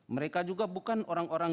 mereka juga bukan orang orang